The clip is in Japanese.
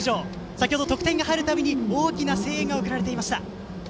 先程、得点が入る度に大きな声援が送られていました。